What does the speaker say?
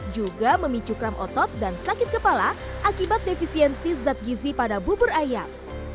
juga memicu kram otot dan sakit kepala akibat defisiensi zat gizi pada bubur ayam